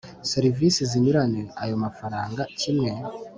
Serivisi zinyuranye ayo mafaranga kimwe